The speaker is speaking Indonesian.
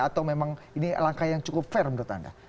atau memang ini langkah yang cukup fair menurut anda